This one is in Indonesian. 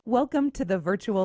selamat datang di lab virtual